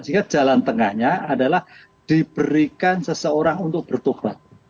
sehingga jalan tengahnya adalah diberikan seseorang untuk bertobat